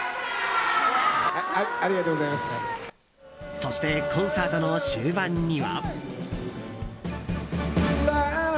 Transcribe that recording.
そしてコンサートの終盤には。